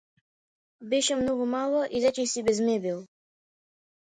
Беше многу мала и речиси без мебел.